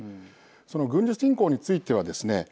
その軍事侵攻についてはですね